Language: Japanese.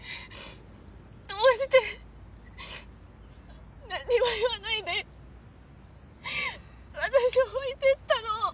どうしてなんにも言わないで私を置いていったの？